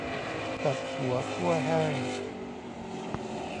ตัดหัวคั่วแห้ง